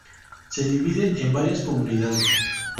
Se dividen en varias comunidades.